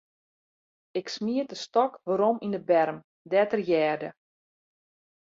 Ik smiet de stôk werom yn 'e berm, dêr't er hearde.